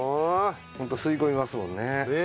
ホント吸い込みますもんね。